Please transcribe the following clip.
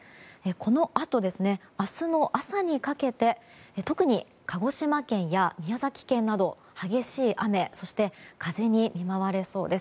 このあと、明日の朝にかけて特に鹿児島県や宮崎県など激しい雨、そして風に見舞われそうです。